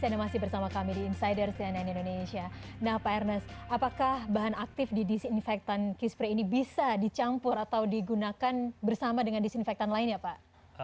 nah pak ernest apakah bahan aktif di disinfektan key spray ini bisa dicampur atau digunakan bersama dengan disinfektan lain ya pak